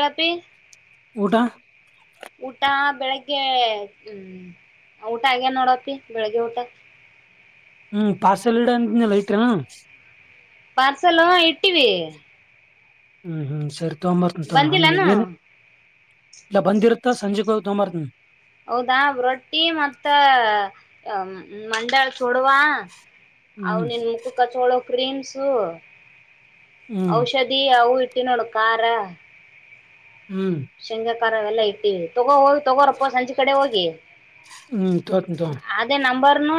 ಕಪಿ ಊಟ ಟ ಬೆಳಿಗ್ಗೆ ಹ್ಮ್ ಊಟ ಆೇ ನೋಡಪಿ ಬೆಳಿಗ್ಗೆ ಊಟ ಹ್ಮ್ ಪಾರ್ಸಲ್ ಇಡ ಅಂತನ ಲೈಟ್ ಪಾರ್ಸಲ ಇಟ್ಟವಿ ಹ್ಮ್ ಹ್ಮ್ ಸರಿ ತೊಗೊಂಬ ಆಮೇಲೆ ಬಂದಿಲ್ಲಾನ ಏನ್ ಇಲ್ಲ ಬಂದಿರುತ್ತಾ ಸಂಜೆಗ ಹ ಉತ್ತಂಬರ್ ಹೌದಾ ರೊಟ್ಟಿ ಮತ್ತ ಮಂಡಾಳ್ ಸೋಡುವ ಅವ ಹ್ಮ್ ನಿನ್ ಮುಖ ಕಚೋಳೋ ಕ್ರೀಮ್ಸು ಹ್ಮ್ ಔಷಧಿ ಅವು ಇಟ್ಟು ನೋಡ್ಕಾರಾರ ಹಾ ಕಾರ ಎಲ್ಲಾ ಇಟ್ಟೀವಿ ತಗೋ ಹೋಗಿ ತಗೋರಪ್ಪ ಸಂಜೆ ಕಡೆ ಹೋಗಿ ಹ್ಮ್ ತನ್ ತ ಅನ್ನು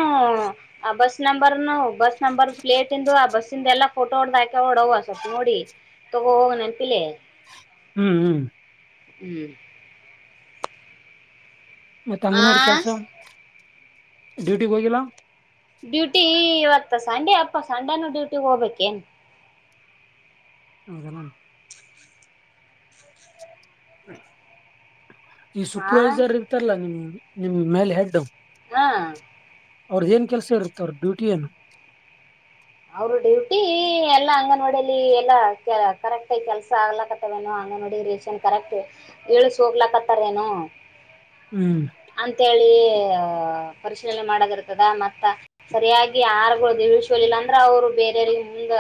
ಆ ಬಸ್ ನಂಬರ್ನು ಬಸ್ ನಂಬರ್ ಪ್ಲೇಟ್ ಇಂದು ಆ ಬಸ್ಸಂದ ಎಲ್ಲಾ ಫೋಟೋ ಹೊಡ್ದ ಹಾಕ ಅವಡವ ಸ್ವಲ್ಪ ನೋಡಿ ತಗೋ ಹೋಗ ನೆನಪಿಲ್ಲ ಹ್ಮ್ ಹ್ಮ್ ಹ್ಮ್ ಮತ್ತೆ ಆ ಅಂಗನವಾಡಿ ಕೆಲಸ ಡ್ಯೂಟಿಗ್ ಹೋಗಿಲ್ಲ ಡ್ಯೂಟಿ ಇವತ್ತ ಸಂಡೆ ಅಪ್ಪ ಸಂಡೆನೂ ಡ್ಯೂಟಿ ಹೋಗಬೇಕೇನ್. ಹದಲ್ಲ ಈ ಆ ಸೂಪರ್ವೈಸರ್ ಇರ್ತಾರಲ್ಲಾ ನಿಮ್ ನಿಮ್ ಮೇಲೆ ಹೆಡ್ ಹಾ ಅವ್ರ ಏನ್ ಕೆಲ್ಸ ಇರ್ತ್ತ ಅವ್ರ ಡ್ಯೂಟಿ ಏನು ಅವ್ರ ಡ್ಯೂಟಿ ಎಲ್ಲಾ ಅಂಗನವಾಡಿಯಲ್ಲಿ ಎಲ್ಲಾ ಕರೆಕ್ಟ್ಗ ಕೆಲ್ಸ ಆಗ್ಲಕ್ಕತ್ತವೇನ ನಮ್ಗ್ ನೋಡಿದರ ರೇಷನ್ ಕರೆಕ್ಟ್ ಇಳಸ ಹೋಗ್ಲಕ್ಕತ್ತಾರ ಏನು ಹ್ಮ್ ಅಂತೆ ಹೇಳಿ ಪರಿಶೀಲನೆ ಮಾಡದಿರ್ತದ ಮತ್ತ ಸರಿಯಾಗಿ ಆಹಾರಗಳು ಇಳಿಸಿ ಹೋಗ್ಲಿಲ್ಲ ಅಂದ್ರ ಅವ್ರು ಬೇರೆಯವರಿಗೆ ಮುಂದ್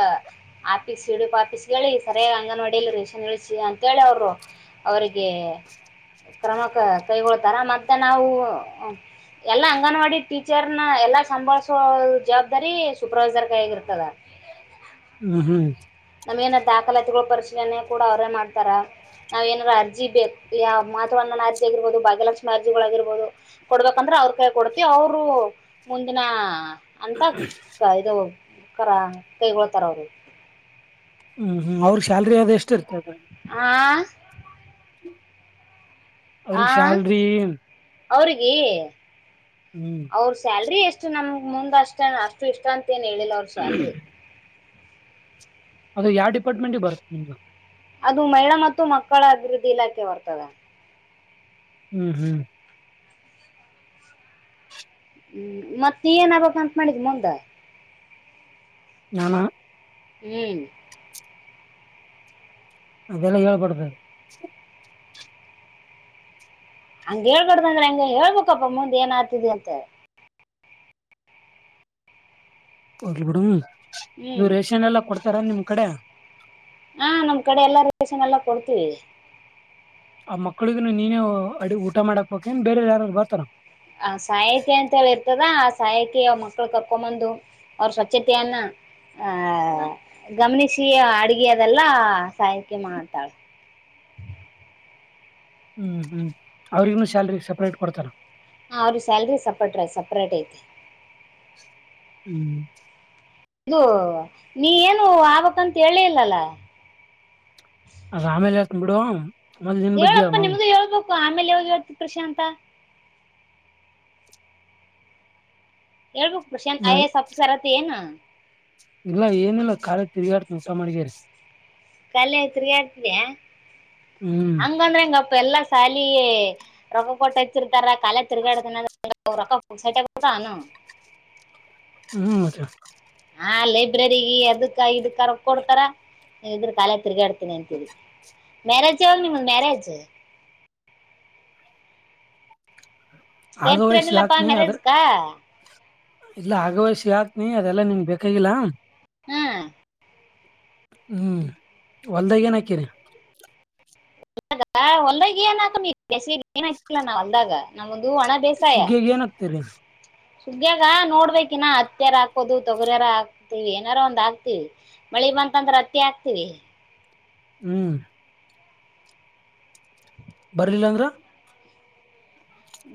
ಆಫೀಸ್ ಇಡಪ್ ಪಾಫೀಸ್ ಹೇಳಿ ಸರಿಯಾಗಿ ಅಂಗನವಾಡಿಯಲ್ಲಿ ರೇಷನ್ ಇಳಿಸಿ ಅಂತೇಳಿ ಅವರು ಅವರಿಗೆ ಕ್ರಮ ಕ ಕೈಗೊಳ್ತಾರ ಮತ್ತೆ ನಾವು ಎಲ್ಲಾ ಅಂಗನವಾಡಿ ಟೀಚರ್ನ ಎಲ್ಲಾ ಸಂಭಾಸೋಳ ಜವಾಬ್ದಾರಿ ಸೂಪರರ್ವೈಸರ್ ಕೈಗರ್ತದೆ ಹ್ಮ್ ಹ್ಮ್ ನಮಗೇನ ದಾಖಲಾತಿಗಳು ಪರಿಶೀಲನೆ ಕೂಡ ಅವರೇ ಮಾಡ್ತಾರ. ನಾವ್ ಏನಾರ್ ಅರ್ಜಿ ಬೇಕ ಯಾವ ಮಾತೃ ವಂದನ್ ಅರ್ಜಿ ಆಗಿರಬಹುದು ಭಾಗ್ಯಲಕ್ಷ್ಮಿ ಅರ್ಜಿಗಳ ಆಗಿರ್ಬೋದು ಕೊಡ್ಬೇಕಂದ್ರ ಅವ್ರ ಕೈ ಕೊಡ್ತಿವಿ ಅವರು ಮುಂದಿನ ಅಂತ ಇದು ಕರ ಕೈಗೊಳ್ತಾರ ಅವರು ಹ್ಮ್ ಹ್ಮ್ ಅವ್ರ ಸ್ಯಾಲರಿ ಅದ ಎಷ್ಟ ರೀ ಹಾ ಅವ್ರಿಗೆ ಸ್ಯಾಲರಿ ಅವ್ರಗೀ ಅವ್ರ ಸ್ಯಾಲ್ರಿ ಎಷ್ಟು ನಮ ಮುಂದ ಅಷ್ಟ ಅಷ್ಟು ಇಷ್ಟ ಅಂತ ತ್ಯನ ಹೇಳಿಲ್ಲ ಅವರ್ ಸ್ಯಾಲರಿ ಅದು ಯಾವ ಡಿಪಾರ್ಟ್ಮೆಂಟ್ ಬರುತ್ತ ನಿಮ್ದು ಅದು ಮಹಿಳಾ ಮತ್ತು ಮಕ್ಕಳ ಅಭಿವೃದ್ಧಿ ಇಲಾಖೆ ಬರ್ತದೆ ಹ್ಮ್ ಹ್ಮ್ ಹ್ಮ್ ಮತ್ತೆ ಏನ್ ಆಬಕ ಅಂತ ಮಾಡಿದ್ ಮುಂದೆ ನಾನ ಹ್ಮ ಅದೆಲ್ಲ ಹೇಳ್ಬಡದ ಹಂಗ ಹೇಳ್ಕಡ್ದಂದ್ರೆ ಹೆಂಗ್ ಹೇಳ್ಬೇಕಪ್ಪ ಮುಂದ್ ಏನ್ ಅತಿದಿದೆ ಅಂತ ಹೋಗ್ಲಿ ಬಿಡ ಇದು ಹ್ಮ್ ರೇಷನ್ ಎಲ್ಲಾ ಕೊಡ್ತಾರ ನಿಮ್ ಕಡೆ ಹಾ ನಮ್ ಕಡೆ ಎಲ್ಲಾ ರೇಷನ್ ಎಲ್ಲಾ ಕೊಡ್ತೀವಿ. ಆ ಮಕ್ಕಳಿಗಿನೂ ನೀನೇ ಅಡಿ ಊಟ ಮಾಡಕ್ಪ ಬೇರೆ ಯಾರು ಬರ್ತಾರ ಆ ಸಹಾಯಕಿ ಅಂತ ಹೇಳಿರ್ತದ ಆ ಸಹಾಯಕಿ ಅವ ಮಕ್ಳ ಕರ್ಕೊಬಂದು ಅವ್ರ ಸ್ವಚ್ಛತೆಯನ್ನ ಆ ಗಮನಿಸಿ ಅಡಗಿ ಅದೆಲ್ಲ ಸಹಾಯಕಿ ಮಾಡ್ತಾಳ ಹ್ಮ ಹ್ಮ್ ಹ್ಮ್ ಅವ್ರಿಗೊಂದ ಸ್ಯಾಲರಿ ಸಪರೇಟ್ ಕೊಡ್ತಾರ ಹ ಅವರಿಗೆ ಸ್ಯಾಲರಿ ಸಪ್ರೇಟ್ ಐ ಸಪರೇಟ್ ಐತೆ ಹ್ಮ್ ಇದು ನೀ ಏನು ಆಬಕ್ಂತ ಹೇಳೇ ಇಲ್ಲಲ್ಲ ಅದ ಆಮೇಲೆ ಹೇಳ್ತೀನಿ ಬಿಡು ಮೊದ್ಲ್ ನಿನ್ ಬಗ್ಗೆ ಹೇಳ್ ಹೇಳಪ್ಪ ಮೊದ್ಲು ನಿಮ್ದು ಹೇಳ್ಬೇಕು ಆಮೇಲೆ ಯವೋಗಿ ಹೇಳ್ತಿತ್ತು ಪ್ರಶಾಂತ ಹೇಳ್ಬೇಕು Prashanth I A S officer ಆತಿ ಏನೂ ಇಲ್ಲ ಏನಿಲ್ಲ ಕಾಲ ತಿರುಗಾಡ್ತಸ ಕೆಲಸ ಮಾಡಗ್ಯಾರ ಕಲೆ ಐತ್ರಿ ಅಂತಿದ್ಯ ಹ್ಮ್ ಹಂಗಂದ್ರ ಹೆಂಗಪ್. ಎಲ್ಲ ಸಾಲಿ ರೊಕ್ಕ ಕೊಟ್ಟ ಹಚ್ಚಿರ್ತಾರ ಕಾಲ್ಯ ತಿರ್ಗಾಡದ [unintelligible] ರೊಕ್ಕ ಪುಗಸಟ್ಟೆ ಬರ್ತವನ. ಹ್ಮ್ ಮತ್ತ. ಆ ಲೈಬ್ರಗ ಅದಕ್ಕ ಇದಕ್ಕ ರೋಕ್ ಕೊಡ್ತಾರ ನೀವ ಇದ್ರ ಕಾಲ್ಯ ತಿರ್ಗಾಡ್ತೀನಿ ಅಂತೀರಿ. ಮ್ಯರೇಜ್ ಯಾವಾಗ್ ನಿಮ್ಧ ಮ್ಯರೇಜ್. ಆಗವಯಸ್ಸಿ ಕರಿತ್ರೇನಿಲಪ್ಪ ಹಾಕ್ನಿ ಅದ್ರ ಮ್ಯರೇಜಕ್ಕಾ. ಇಲ್ಲ ಆಗವಸಿ ಆತ್ನಿ ಅದೆಲ್ಲಾ ನಿನಗ ಬೇಕಾಗಿಲ್ಲಾ. ಹ್ಮ್ ಹ್ಮ್ ಹೊಲ್ದಾಗ ಏನ್ ಹಾಕೀರಿ. ಹೊಲ್ದಾಗ ಏನ ಹಾಕಮಿ ಬ್ಯಾಸಿಗಿ ಏನ್ ಹಾಕಿಲ್ ನಾ ಹೊಲ್ದಾಗ ನಮೂದ್ ಸುಗ್ಗಿಗ ಏನ ಹಾಕ್ತೀರಿ. ಸುಗ್ಗ್ಯಾಗ ನೋಡ್ಬೇಕಿನ ಹತ್ತ್ಯಾರ ಹಾಕೋದು ತೊಗರಿಯಾರ ಹಾಕ್ತಿವಿ ಏನಾರ ಒಂದ್ ಹಾಕ್ತಿವಿ ಮಳಿ ಮಳಿ ಬಂತಂದ್ರ ಹತ್ತಿ ಹಾಕ್ತೀವಿ. ಹ್ಮ್ ಬರ್ಲಿಲ್ಲಂದ್ರ.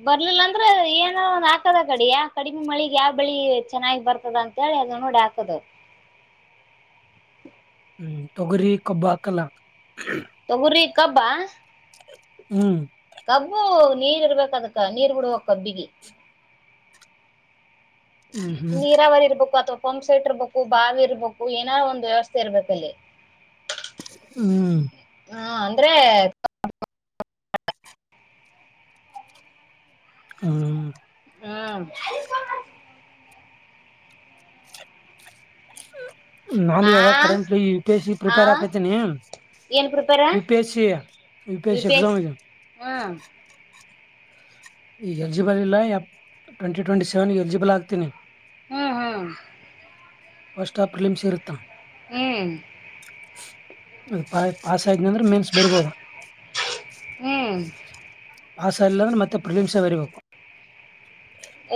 ಬರ್ಲಿಲ್ಲ ಅಂದ್ರ ಏನಾ ಒಂದ ಹಾಕದ ಅಕಡಿ ಯಾ ಕಡಿಮಿ ಮಳಿಗಿ ಯಾವ್ ಬೆಳಿ ಚೆನ್ನಾಗಿ ಬರ್ತದ ಅಂತ ಮಳಿ ಅದ ನೋಡಿ ಹಾಕದು. ಹ್ಮ್ ತೊಗರಿ ಕಬ್ಬಾ ಹಾಕಲ್ಲ. ತೊಗರಿ ಕಬ್ಬಾ ಹ್ಮ್ ಕಬ್ಬು ನೀರ್ ಇರ್ಬೇಕ ಅದಕ್ಕ ನೀರ್ ಬಿಡಬೇಕ್ ಕಬ್ಬಿಗಿ. ಹ್ಮ್ ಹ್ಮ್ ನೀರಾವರಿ ಇರ್ಬೇಕು ಅಥವಾ ಪಂಮ್ ಸೆಟ್ ಇರ್ಬೇಕು ಬಾವಿ ಇರ್ಬೇಕು ಏನಾರ ಒಂದ ವ್ಯವಸ್ಥೆ ಇರ್ಬೇಕಲ್ಲಿ. ಹ್ಮ್ ಹಾ ಅಂದ್ರೆ ಹ್ಮ ಹ್ಮ್ ನಾನ್ ಆ ಇವಾಗ ಕರೆಂಟ್ ಯುಪಿಏಸಿ ಆ ಪ್ರಿಪೇರ್ ಆಕತಿನಿ. ಏನ್ prepare UPS C U UPS C P S ಎಕ್ಸಾಮಿಗ್. ಹ್ಮ್ ಈಗ ಎಲಿಜಿಬಲ್ ಇಲ್ಲ ಟ್ವೆಂಟಿ ಟ್ವೆಂಟಿ ಸೆವೆನ್ ಎಲಿಜಿಬಲ್ ಆಗ್ತೀನಿ. ಹ್ಮ್ ಹ್ಮ್ ಫಸ್ಟ್ ಪ್ರೀಲಿಮ್ಸ್ ಇರತ್ತ. ಹ್ಮ್ ಅದು ಪ ಪಾಸ ಅದನಂದ್ರ ಮೆನ್ಸ್ ಬರಿಬೋದು. ಹ್ಮ್ ಪಾಸ್ ಆಲಿಲಂದ್ರ ಮತ್ತೆ ಪ್ರೀಲಿಮ್ಸ್ ಬರಿಬೇಕು.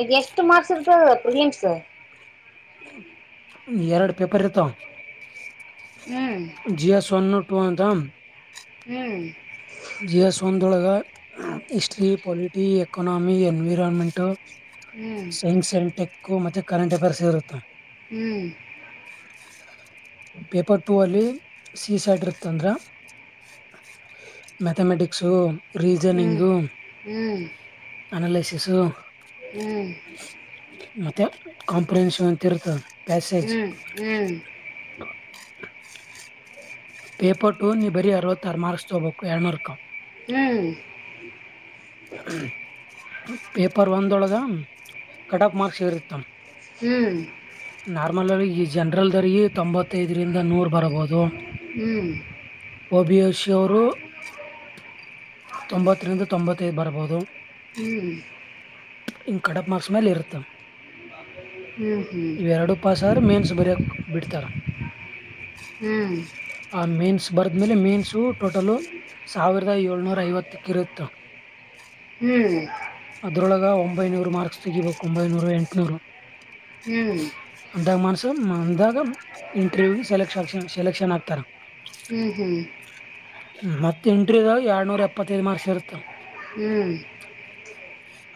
ಈಗ್ ಎಷ್ಟ ಮಾರ್ಕ್ಸ್ ಇರ್ತದ ಪ್ರಿಲಿಮ್ಸ್. ಎರಡು ಪೇಪರ್ ಇರ್ತವ. ಹ್ಮ್ ಜಿಎಸ್ ಓನ್ ಟು ಅಂತ. ಹ್ಮ್ ಜಿ ಎಸ್ ಒಂದೊಳಗ ಹಿಸ್ಟರಿ ಪೊಲಿಟಿ ಎಕನಾಮಿ ಎನ್ವಿರಾನ್ಮೆಂಟ್. ಹ್ಮ್ ಹ್ಮ್ ಸೈನ್ಸ್ ಅಂಡ್ ಟೆಕ್ಕು ಮತ್ತೆ ಕರೆಂಟೆಬರ್ಶ್ ಇರತ್ತ. ಹ್ಮ್ ಪೇಪರ್ ಟೂ ಅಲ್ಲಿ ಸಿ ಸೈಡ್ ಇರ್ತ್ತಂದ್ರ. Mathematics reasoning. ಅನಾಲೈಸಿಸು. ಹ್ಮ್ ಕಾಂಪ್ರನ್ಷ ಅಂತ ಇರತ್. ಹ್ಮ್ ಹ್ಮ್ ಪೇಪರ್ ಟು ನೀ ಬರೀ ಅರವತ್ತಾರ ಮಾರ್ಕ್ಸ್ ತೊಗಬೇಕು ಎರಡನೂರುಕ. ಹ್ಮ್ ಪೇಪರ್ ಒಂದೊಳಗ ಕಟ್ ಆಫ್ ಮಾರ್ಕ್ಸ್ ಹೇರ್ತಿತ್ತ ಹ್ಮ್ ಈ ಜನರಲ್ ದರ ತೊಂಬತ್ತೈದರಿಂದ ನೂರ ಹ್ಮ್ ಒ ಬಿ ಯಶಿ ಅವರು ತೊಂಬತ್ತರಿಂದ ತೊಂಬತ್ತೈದು ಬರಬಹುದು ಹ್ಮ್ ಹನ್ ಕಡಪ ಮಾಸ ಮೇಲೆ ಇರ್ತ್ತ ಇವೆರಡುೂ ಪಾಸ್ ಆದ್ರೆ ಮೇನ್ಸ್ ಬರಕ್ ಬಿಡ್ತಾರ ಹ್ಮ್ ಆ ಮೀನ್ಸ್ ಬರದ್ಮೇಲೆ ಮೀನ್ಸು ಟೋಟಲು ಸಾವಿರದ ಏಳ್ನೂರ ಐವತ್ತಕ್ಕ ಇರುತ್ತ ಅದ್ರೊಳಗ ಒಂಬೈನೂರು ಮಾರ್ಕ್ಸ್ ತೆಗಿಬೇಕು ಒಂಬೈನೂರು ಎಂಟುನೂರು ಅಂದಾಗ ಮನ್ಸ ಅಂದಾಗ ಇಂಟರ್ವ್ಯೂ ಸೆಲೆ ಆ ಸೆಲೆಕ್ಷನ್ ಆಗ್ತಾರ ಹ್ಮ್ ಹ್ಮ್ ಮತ್ತೆ ಎಂಟ್ರಿದ ಎರಡ್ನೂರ ಎಪ್ಪತ್ತೈದು ಮಾರ್ಕ್ಸ್ ಇರುತ್ತ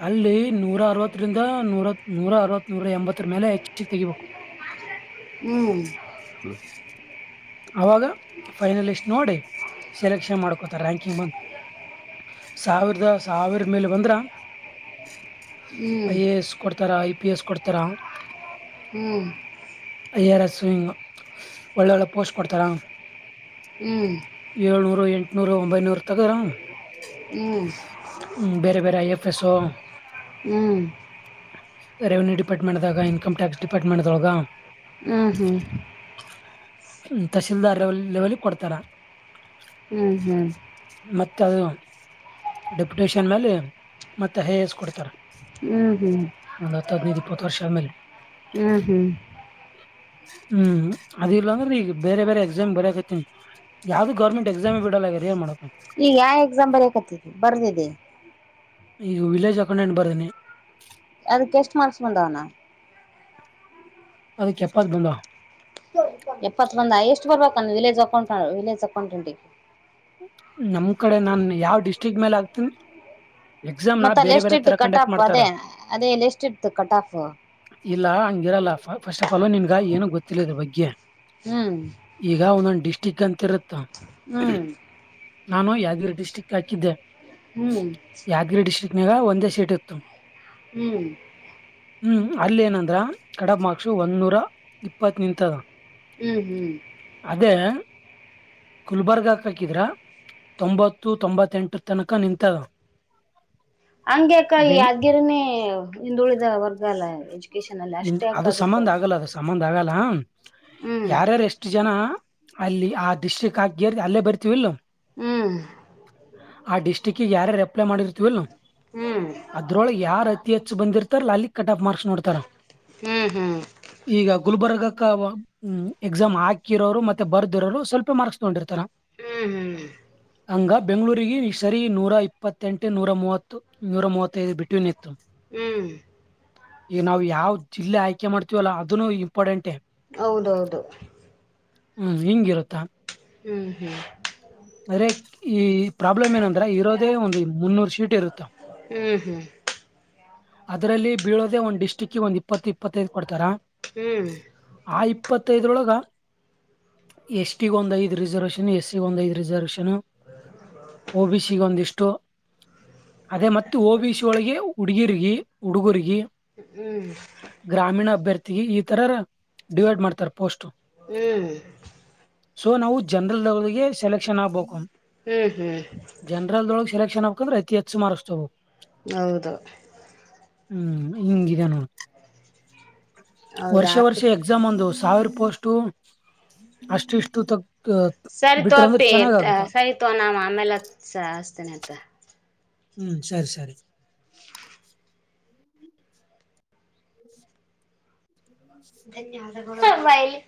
ಅಲ್ಲಿ ನೂರ ಅರವತ್ತರಿಂದ ನೂರ ನೂರ ಅರವತ್ ನೂರ ಎಂಬತ್ತ ಮೇಲೆ ಹೆಚ್ಚಿ ತೆಗಿಬೇಕು ಹ್ಮ್ ಅವಾಗ ಫೈನಲಿಸ್ಟ್ ನೋಡಿ ಸೆಲೆಕ್ಷನ್ ಮಾಡ್ಕೋತಾರ ರ್ಯಾಂಕಿಂಗ್ ಬಂದ ಸಾವಿರದ ಸಾವಿರ ಮೇಲೆ ಬಂದ್ರ ಐ ಎ ಎಸ್ ಕೊಡ್ತಾರ ಐ ಪಿ ಎಸ್ ಕೊಡ್ತಾರ ಹ್ಮ್ ಅಯ್ಯರ್ಸ್ ಹಂಗ ಒಳ್ಳೆ ಒಳ್ಳೆ ಪೋಸ್ಟ್ ಕೊಡ್ತಾರ ಏಳ್ನೂರು ಎಂಟನೂರು ಒಂಬೈನೂರು ತಗರ ಹ್ಮ್ ಬೇರೆ ಬೇರೆ ಐ್ಯಫಸೋ ರೆವನ್ಯೂ ಡಿಪಾರ್ಟ್ಮೆಂಟ್ದಾಗ ಇನ್ಕಮ್ ಟ್ಯಾಕ್ಸ್ ಡಿಪಾರ್ಟ್ಮೆಂಟ್ದೊಳಗ ಹ್ಮ್ ಹ್ಮ್ ತಹಶೀಲ್ದಾರ್ ಲೆವೆಲಿ ಕೊಡ್ತಾರ ಮತ್ತೆ ಅದು ಡೆಪ್ಯುಟೇಶನ್ ಮೇಲೆ ಮತ್ತೆ ಹೇ ಎಸ್ ಕೊಡ್ತಾರೆ ಹ್ಮ್ ಹ್ಮ್ ಅಲ್ಲ ಹದ್ ಇಪ್ಪತ್ತು ವರ್ಷ ಆದ ಮೇಲೆ ಹ್ಮ್ ಅದಿಲ್ಲಾ ಅಂದ್ರೆ ಈಗ ಬೇರೆ ಬೇರೆ ಎಕ್ಸಾಮ್ ಬರಕತ್ತನ್ ಯಾವ್ದು ಗೌರ್ಮಂ ಎಸಾಮ್ ಬಿಡಲ್ಲ್ಯ ರೇ ಮಾಡ ಈಗ ಯಾವ ಎಕ್ಸಾ ಬರೇಕತ್ತತಿ ಬರ್ದಿದ್ದಿ ಈಗ ವಿಲೇಜ್ ಅಕೌಂಡೆಂಟ್ ಬರ್ದೀನಿ ಅದಕ್ಕೆ ಎಷ್ಟು ಮಾರ್ಕ್ಸ್ ಬಂದಾವಣ ಅದಕ್ಕೆಪ್ಪಾತ್ ಬಂದ ಎಪ್ಪತ್ ಬಂದ ಎಷ್ಟು ಬರ್ಬೇಕಂದು ವಿಲೇಜ್ ಅಕೌಂಟ ವಿಲೇಜ್ ಅಕೌಂಟೆಂಟಿಗೆ ನಮ್ ಕಡೆ ನಾನ್ ಯಾವ್ ಡಿಸ್ಟ್ರಿಕ್ ಮೇಲೆ ಆಗ್ತೇನ್ ಮತ್ತ ಅಲ್ಲಿ ಎಸ್ ಇಟ್ಟು ಕಟ್ ಆಫ್ ಅದೇ ಅದೇ ಎಸ್ ಇಟ್ಟು ಕಟ್ ಆಫ ಇಲ್ಲ ಹಂಗಿರಲ್ಲಪ್ಪಫಸ್ ಲೋ ನಿನ್ಗ ಏನು ಗೊತ್ತಿಲ್ಲ ಇದ ಬಗ್ಗೆ ಹ್ಮ್ ಈಗ ಒಂದೊಂದು ಡಿಸ್ಟ್ರಿಕ್ ಅಂತ ಇರುತ್ತೆ ಹ್ಮ್ ನಾನು ಯಾದಗಿರಿ ಡಿಸ್ಟ್ರಿಕ್ ಹಾಕಿದ್ದೆ ಹ್ಮ್ ಗ ಒಂದೇ ಸೀಟ್ ಇತ್ತು ಹ್ಮ್ ಹ್ಮ್ ಅಲ್ಲಿ ಏನಂದ್ರ ಕಡಬ್ ಮಕ್ಸು ಒಂದನ್ನೂರ ಇಪ್ಪತ್ ನಿಂತದ ಹ್ಮ್ ಹ್ಮ್ ಗುಲ್ಬರ್ಗ ಹಾಕಿದ್ರ ತೊಂಬತ್ತು ತೊಂಬತ್ತೆಂಟು ತನಕ ನಿಂತದ ಹಂಗ್ಯಕ ಈ ಬೆಂಗ್ ಯದಗ್ಯರನೇ ಹಿಂದುಳಿದ ವರ್ಗ ಅಲ್ಲ ಎಜುಕೇಶನ್ ಅಲ್ಲಿ ಅಷ್ಟೇ ಅಕ್ಕ ಅದಕ್ಕ. ಸಂಬಂಂದ್ ಆಗಲ್ಲ ಅದು ಸಂಬಂಧ ಆಗಲ್ಲ ಹ್ಮ್ ಯಾರ್ಯಾರು ಎಷ್ಟು ಜನ. ಅಲ್ಲಿ ಆ ಡಿಸ್ಟಿಕ್ ಹಾಕೇರ್ ಅಲ್ಲೇ ಬರ್ತೀವಿ ಇಲ್. ಹ್ಮ್ ಆ ಡಿಸ್ಟ್ರಿಕ್ಗೆ ಯಾರ ರೆಪ್ಲೈ ಮಾಡಿರ್ತವಲ್ ಹ್ಮ್ ಅದ್ರೊಳಗೆ ಯಾರ ಅತಿ ಹೆಚ್ಚು ಬಂದಿರ್ತಾರ ಲಾಲಿಕ್ ಕಟ್ ಆಫ್ ಮಾರ್ಕ್ಸ್ ನೋಡ್ತಾರ ಹ್ಮ್ ಹ್ಮ್ ಹ್ಮ್ ಈಗ ಗುಲ್ಬರ್ಗ ಎಕ್ಸಾಮ್ ಹಾಕಿರೋರು ಮತ್ತೆ ಬರ್ದಿರೋರು ಸ್ವಲ್ಪ ಮಾರ್ಕ್ಸ್ ತಗೊಂಡಿರ್ತಾರ. [unintelligible] ಹಂಗ ಬೆಂಗಗಳೂರಿಗೆ ಸರಿ ನೂರಾ ಇಪ್ಪತ್ತೆಂಟು ನೂರ ಮೂವತ್ತು ನೂರ ಮೂವತ್ತೈದು ಬಿಟ್ವೀನ್ ನಿತ್ತು. ಹ್ಮ್ ಈಗ ನಾವು ಯಾವ್ ಜಿಲ್ಲೆ ಆಯ್ಕೆ ಮಾಡ್ತೀವಲ್ಲ ಅದನ್ನು ಇಂಪಾರ್ಟೆಂಟೇ. ಹೌದು ಹೌದು. ಹ್ಮ್ ಹಿಂಗಿರುತ್ತಾ. [inaudible] ಅರೆ ಈ ಪ್ರಾಬ್ಲಮ್ ಏನಂದ್ರ ಇರೋದೇ ಒಂದು ಮುನ್ನೂರು ಶೀಟ್ ಇರುತ್ತ. ಹ್ಮ ಅದರಲ್ಲಿ ಬೀಳೋದೆ ಒಂದು ಡಿಸ್ಟಿಕ್ಗೆ ಒಂದು ಇಪ್ಪತ್ತು ಇಪ್ಪತ್ತೈದು ಕೊಡ್ತಾರ ಹ್ಮ್ ಆ ಇಪ ಇಪ್ಪತ್ತೈದರೊಳಗೆ ಎಸ್ ಟಿ ಒಂದ್ ಐದ್ ರಿಸರ್ವೇಷನ್ ಎಸ್ ಸಿ ಒಂದ ಐದ್ ರಿಸರ್ವೇಷನ್. ಓ ಬಿ ಸಿಗೆ ಒಂದಿಷ್ಟು. ಅದೇ ಮತ್ತ ಓ ಬಿ ಸಿ ಒಳಗೆ ಹುಡುಗಿರ್ಗಿ ಹುಡುಗುಗಿ ಹ್ಮ್ ಈ ಈ ತರರ ಡಿವೈಡ್ ಮಾಡ್ತಾರೆ ಪೋಸ್ಟ್. ಹ್ಮ್ ಸೊ ನಾವು ಜನರಲ್ವರ್ಗೆ ಸೆಲೆಕ್ಷನ್ ಆಗ್ಬೇಕು. ಹ್ಮ್ ಹ್ಮ್ ಕಂದ್ರೆ ಅತಿ ಹೆಚ್ ಮರ್ಕ್ಸ ತಗೂಬೆಕ್. ಹೌದು. ಹ್ಮ್ ಹಿಂಗಿದೆ ನೋ ಹೌದಾ ವರ್ಷ ವರ್ಷ ಆಪಿ ಎಕ್ಸಾಮ್ ಒಂದು ಸಾವಿರ ಪೋಸ್ಟ ಅಷ್ಟಿಷ್ಟು ತ ಸರಿತೋಪಿ ಸರಿತೋ ನಮ್ಮ ಆಮೇಲೆ ಹ ಹಸ್ತೇನೆತ್ತ. ಹ್ಮ್ ಸರಿ ಸರಿ. ಧನ್ಯವಾದಗಳು.